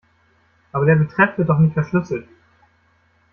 Aber der Betreff wird doch nicht verschlüsselt.